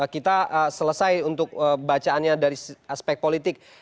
kita selesai untuk bacaannya dari aspek politik